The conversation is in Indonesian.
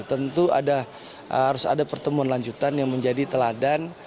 tentu harus ada pertemuan lanjutan yang menjadi teladan